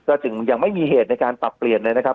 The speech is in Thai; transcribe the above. ก็จึงยังไม่มีเหตุในการปรับเปลี่ยนเลยนะครับ